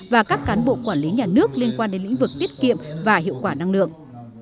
và các cán bộ quản lý nhà nước liên quan đến lĩnh vực tiết kiệm và hiệu quả năng lượng